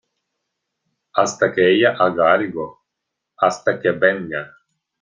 hasta que ella haga algo, hasta que venga